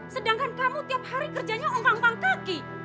sedangkan kamu tiap hari kerjanya umpang kaki